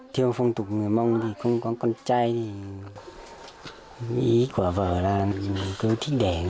theo phong tục người mông không có con trai ý của vợ là cứ thích đẻ